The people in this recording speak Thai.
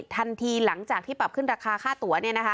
ทันทีหลังจากที่ปรับขึ้นราคาค่าตัว